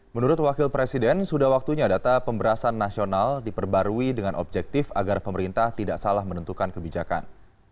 menurut wakil presiden sudah waktunya data pemberasan nasional diperbarui dengan objektif agar pemerintah tidak salah menentukan kebijakan